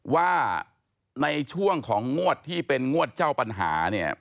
ว่าในช่วงของงวดที่เป็นงวดเจ้าปัญหาเนี่ย